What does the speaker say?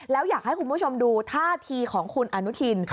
แล้วอยากให้คุณผู้ชมดูท่าทีของคุณอนุทิน